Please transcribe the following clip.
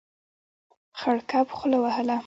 خړ کب خوله وهله.